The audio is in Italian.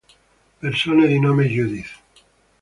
Persone di nome Judith